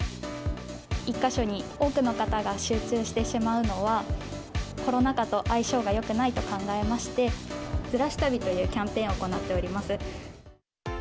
一か所に多くの方が集中してしまうのは、コロナ禍と相性がよくないと考えまして、ずらし旅というキャンペーンを行っております。